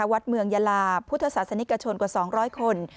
วัดเมืองยาลาพุทธศาสนิกชนกว่า๒๐๐คน